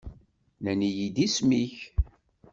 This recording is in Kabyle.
Nnan-iyi-d isem-ik.